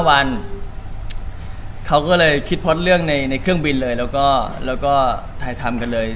เขาก็เลยคิดเพราะเรื่องในเครื่องบินเลยแล้วก็ถ่ายทำกันเลย